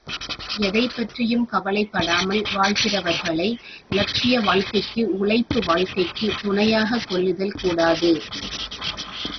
எதைப் பற்றியும் கவலைப்படாமல் வாழ்கிறவர்களை இலட்சிய வாழ்க்கைக்கு உழைப்பு வாழ்க்கைக்குத் துணையாகக் கொள்ளுதல் கூடாது.